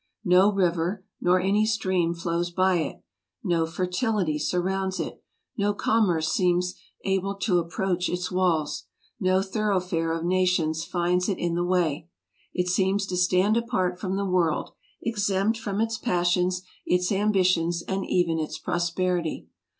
No river nor any stream flows by it; no fertility surrounds it; no commerce seems able to approach its walls ; no thoroughfare of nations finds it in the way. It seems to stand apart from the world, exempt from its passions, its ambitions, and even its prosperity.